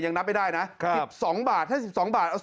นับไม่ได้นะ๑๒บาทถ้า๑๒บาท